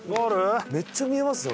めっちゃ見えますね。